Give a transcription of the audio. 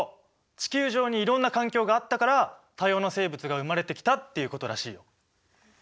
地球上にいろんな環境があったから多様な生物が生まれてきたっていうことらしいよ。